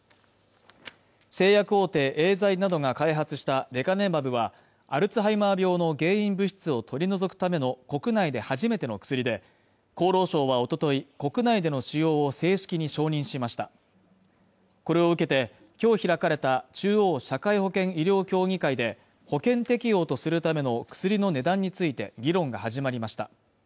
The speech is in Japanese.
製薬大手エーザイなどが開発したレカネマブはアルツハイマー病の原因物質を取り除くための国内で初めての薬で厚労省はおととい国内での使用を正式に承認しましたこれを受けてきょう開かれた中央社会保険医療協議会で保険適用とするための薬の値段について議論が始まりました